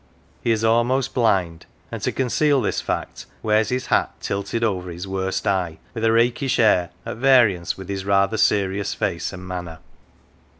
He is almost blind, and to conceal this fact, wears his hat tilted over his worst eye, with a rakish air at variance with his rather serious face and manner.